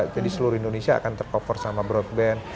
jadi seluruh indonesia akan tercover sama broadband